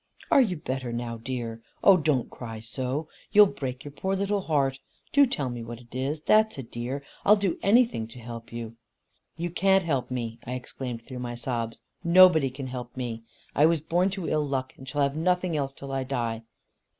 "Are you better now, dear? Oh don't cry so. You'll break your poor little heart. Do tell me what it is, that's a dear. I'll do anything to help you." "You can't help me:" I exclaimed through my sobs: "Nobody can help me! I was born to ill luck, and shall have nothing else till I die."